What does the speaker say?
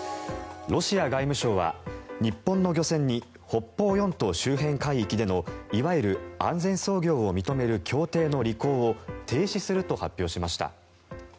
ロシア外務省は、日本の漁船に北方四島周辺海域でのいわゆる安全操業を認める協定の履行を停止すると発表しました。